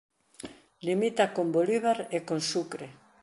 Limita con Bolívar e con Sucre.